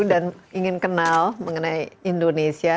dan ingin kenal mengenai indonesia